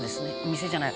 「店じゃない。